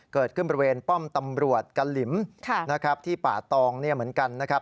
เกิดขึ้นบริเวณป้อมตำรวจกัลลิมที่ป่าตองเหมือนกันนะครับ